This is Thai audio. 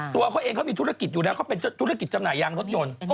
ตัวเขาเองเขามีธุรกิจอยู่แล้วเขาเป็นธุรกิจจำหน่ายยางรถยนต์